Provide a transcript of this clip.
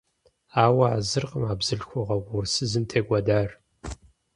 Ауэ а зыркъым а бзылъхугьэ угъурсызым текӏуэдар.